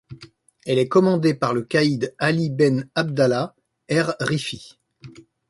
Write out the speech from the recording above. Elle est commandée par le caïd Ali ben Abdallah Er-Riffi.